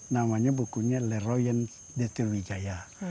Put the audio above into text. namanya bukunya leroyen de sriwijaya